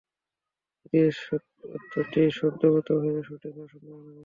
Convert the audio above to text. দ্বিতীয় অর্থটি শব্দগতভাবে সঠিক হওয়ার সম্ভাবনা বেশি।